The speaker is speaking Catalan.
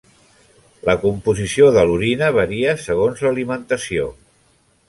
La composició de l'orina varia segons l'alimentació.